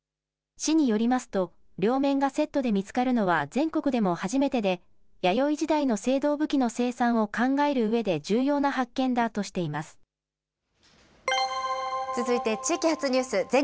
市によりますと、両面がセットで見つかるのは全国でも初めてで、弥生時代の青銅武器の生産を考えるうえで重要な発見だとしていま続いて、地域発ニュース。